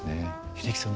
英樹さん